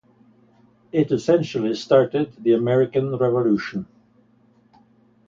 It essentially started the American Revolution.